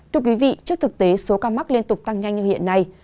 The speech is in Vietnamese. trước thực tế số ca mắc liên tục tăng nhanh như hiện nay